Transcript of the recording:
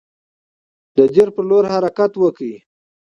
د دیر پر لور حرکت وکړ.